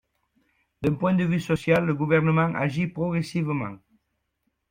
D'un point de vue social, le gouvernement agit progressivement.